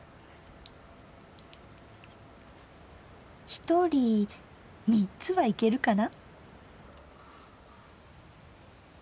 ひとり３つはいけるかな。